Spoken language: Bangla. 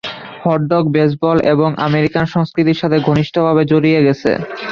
হট ডগ বেসবল এবং আমেরিকান সংস্কৃতির সাথে ঘনিষ্ঠভাবে জড়িয়ে গেছে।